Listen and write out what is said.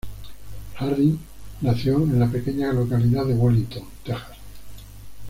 Hardin nació en la pequeña localidad de Wellington, Texas.